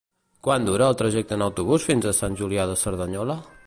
Quant dura el trajecte en autobús fins a Sant Julià de Cerdanyola?